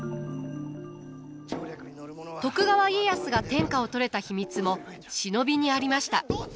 徳川家康が天下を取れた秘密も忍びにありました。